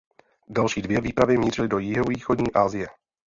Další dvě výpravy mířily do jihovýchodní Asie.